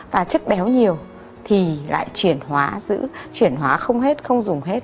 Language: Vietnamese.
và chất béo nhiều thì lại chuyển hóa giữ chuyển hóa không hết không dùng hết